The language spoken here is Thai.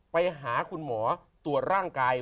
ไปหาคุณหมอตรวจร่างกาย